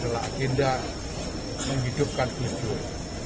semua tentang gusur